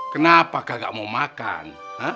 kenapa kagak mau makan